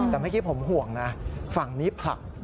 แต่เมื่อกี้ผมห่วงนะฝั่งนี้ผลัก